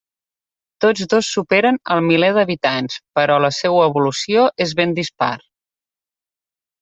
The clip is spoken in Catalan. Tots dos superen el miler d’habitants però la seua evolució és ben dispar.